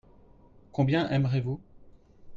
Combien aimerez-vous ?